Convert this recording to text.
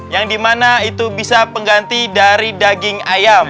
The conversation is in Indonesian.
yang dimana itu bisa pengganti dari daging ayam